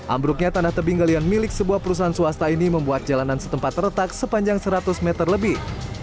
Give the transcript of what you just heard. ambruknya tanah tebing galian milik sebuah perusahaan swasta ini membuat jalanan setempat terletak sepanjang seratus meter lebih